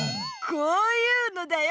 こういうのだよ！